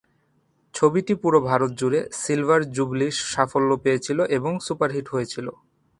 ছবিটি পুরো ভারত জুড়ে সিলভার-জুবলী সাফল্য পেয়েছিল এবং সুপারহিট হয়েছিল।